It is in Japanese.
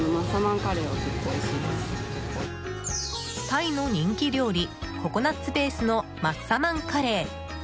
タイの人気料理ココナツベースのマッサマンカレー。